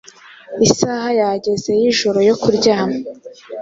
isaha yageze y’ijoro yo kuryama,